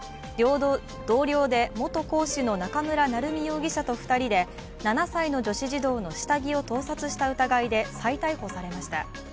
同僚で元講師の中村成美容疑者と２人で７歳の女子児童の下着を盗撮した疑いで再逮捕されました。